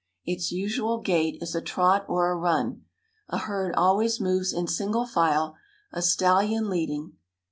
Its usual gait is a trot or a run. A herd always moves in single file, a stallion leading.